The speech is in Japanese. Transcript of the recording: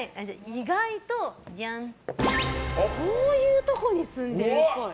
意外とこういうとこに住んでるっぽい。